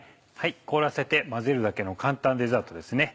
凍らせて混ぜるだけの簡単デザートですね。